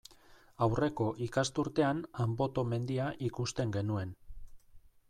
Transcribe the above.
Aurreko ikasturtean Anboto mendia ikusten genuen.